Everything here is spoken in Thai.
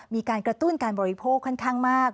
มีการกระตุ้นการบริโภคค่อนข้างมาก